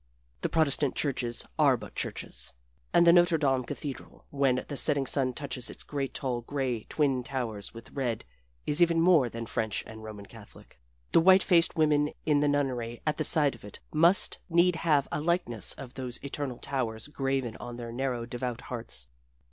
The Protestant churches are but churches. And the Notre Dame cathedral, when the setting sun touches its great, tall, gray, twin towers with red, is even more than French and Roman Catholic. The white faced women in the nunnery at the side of it must need have a likeness of those eternal towers graven on their narrow devout hearts.